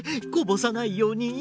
こぼさないように。